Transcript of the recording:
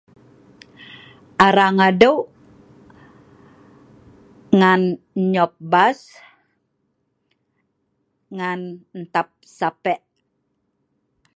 arang adeu' ngan nyop bas ngan ntap sape